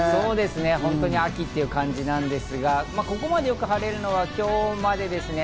秋という感じですが、ここまでよく晴れるのは今日までですね。